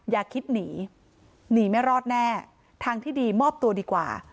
อย่าคิดหนีหนีไม่รอดแน่ทางที่ดีมอบตัวดีกว่า